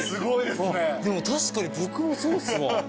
でも確かに僕もそうっすわ。